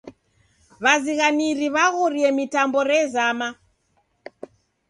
W'azighaniri w'aghorie mitambo rezama.